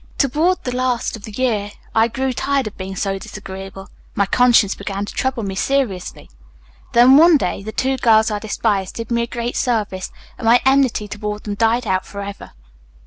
"Toward the last of the year I grew tired of being so disagreeable. My conscience began to trouble me seriously. Then, one day, the two girls I despised did me a great service, and my enmity toward them died out forever.